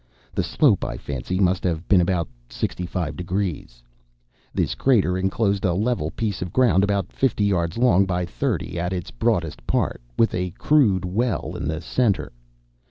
(The slope, I fancy, must have been about 65 degrees.) This crater enclosed a level piece of ground about fifty yards long by thirty at its broadest part, with a crude well in the centre.